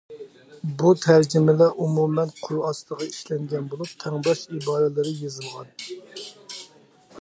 بۇ تەرجىمىلەر ئومۇمەن قۇر ئاستىغا ئىشلەنگەن بولۇپ، تەڭداش ئىبارىلىرى يېزىلغان.